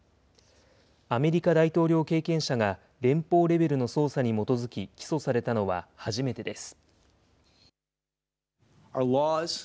アメリカ大統領経験者が連邦レベルの捜査に基づき起訴されたのは初めてです。